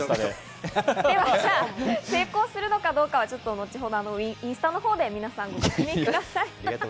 成功するのかどうかは、後ほどインスタのほうで皆さん、ご確認ください。